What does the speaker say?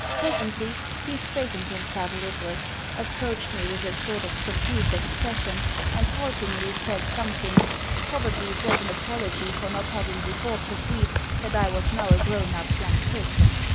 Presently, he straightened himself a little, approached me with a sort of confused expression, and haltingly said something probably it was an apology for not having before perceived that I was now a grown up young person.